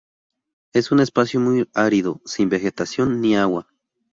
Es un espacio muy árido, sin vegetación ni agua.